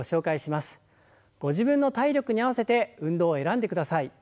ご自分の体力に合わせて運動を選んでください。